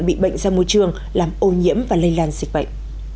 bị bệnh ra môi trường làm ô nhiễm và lây lan dịch bệnh